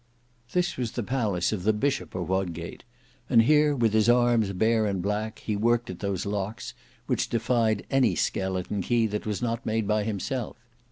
This was the Palace of the Bishop of Wodgate, and here with his arms bare and black, he worked at those locks, which defied any skeleton key that was not made by himself.